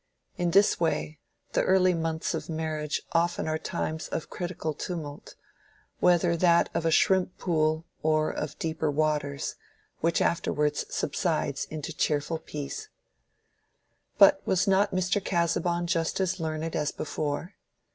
In this way, the early months of marriage often are times of critical tumult—whether that of a shrimp pool or of deeper waters—which afterwards subsides into cheerful peace. But was not Mr. Casaubon just as learned as before?